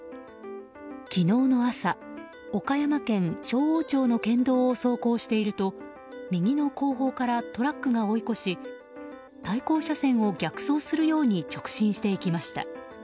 昨日の朝、岡山県勝央町の県道を走行していると右の後方からトラックが追い越し対向車線を逆走するように直進していきました。